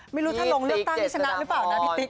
มีรวมตั้งที่ชนะหรือเปล่านะพี่ติ๊ก